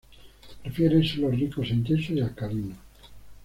Prefiere suelos ricos en yeso y alcalinos.